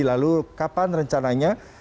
lalu kapan rencananya